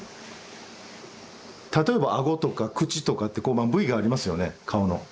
例えば顎とか口とかってこうまあ部位がありますよね顔の。